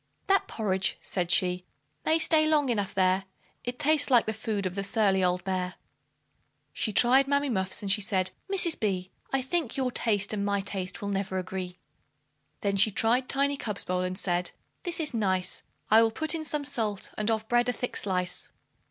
"That porridge," said she "may stay long enough there, It tastes like the food of the surly old bear," She tried Mammy Muff's, and she said, "Mrs. B , I think your taste and my taste will never agree." Then she tried Tiny Cub's bowl, and said, "This is nice; I will put in some salt, and of bread a thick slice."